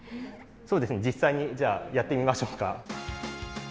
そうですね実際にじゃあやってみましょうか。